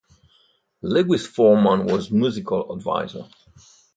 Lewis Foreman was musical adviser.